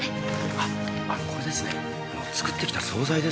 これですね作ってきた惣菜です